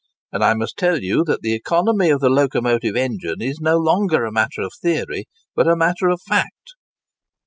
And I must tell you that the economy of the locomotive engine is no longer a matter of theory, but a matter of fact."